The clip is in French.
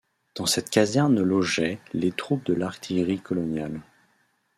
Dans cette caserne logeaient les troupes de l'Artillerie coloniale.